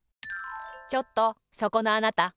ちょっとそこのあなた。